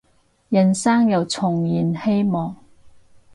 人生又重燃希望